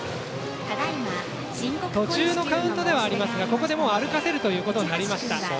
途中のカウントではありますがここで歩かせることになりました。